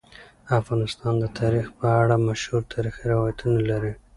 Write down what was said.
افغانستان د تاریخ په اړه مشهور تاریخی روایتونه لري.